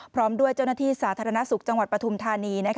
พร้อมด้วยเจ้าหน้าที่สาธารณสุขจังหวัดปฐุมธานี